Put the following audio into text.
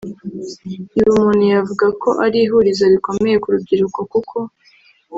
Ibi umuntu yavuga ko ari ihurizo rikomeye ku rubyiruko kuko